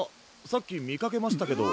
さっきみかけましたけど。